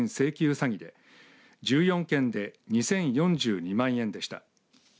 詐欺で１４件で２０４２万円でした。